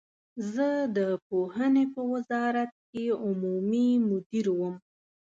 زه د پوهنې په وزارت کې عمومي مدیر وم.